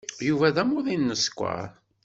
Yuba d amuḍin n sskeṛ.